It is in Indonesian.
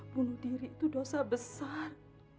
bunuh diri itu dosa besar